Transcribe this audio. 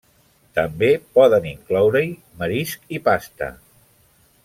També poden incloure-hi marisc i pasta.